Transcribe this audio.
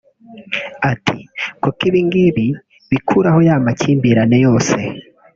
Ati “Kuko ibingibi bikuraho ya makimbirane yose